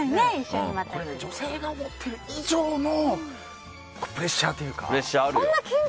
女性が思ってる以上のプレッシャーというか。